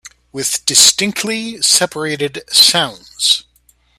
With distinctly separated sounds.